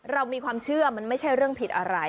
เรามีความเชื่อมันไม่ใช่เรื่องผิดอะไร